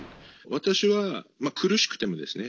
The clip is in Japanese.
私は、苦しくてもですね